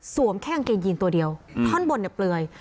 แค่กางเกงยีนตัวเดียวท่อนบนเนี่ยเปลือย